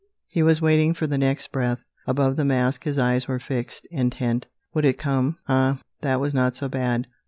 He was waiting for the next breath. Above the mask his eyes were fixed, intent. Would it come? Ah, that was not so bad.